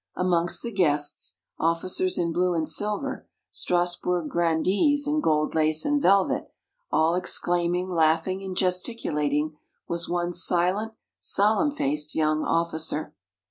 Amongst the guests officers in blue and silver, Strasburg grandees in gold lace and velvet, all exclaiming, laughing, and gesticulating was one silent, solemn faced young officer.